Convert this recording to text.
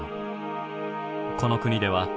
この国では。